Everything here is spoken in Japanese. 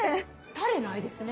タレないですね。